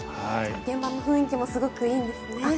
現場の雰囲気もいいんですね。